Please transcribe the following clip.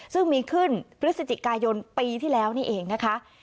ซึ่งมีขึ้นพฤศจิกายนปีที่แล้วนี่เองนะคะ